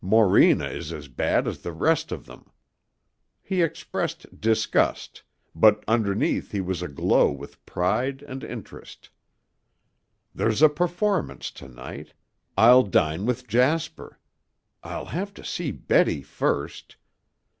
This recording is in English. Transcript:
Morena is as bad as the rest of them!" He expressed disgust, but underneath he was aglow with pride and interest. "There's a performance to night. I'll dine with Jasper. I'll have to see Betty first...."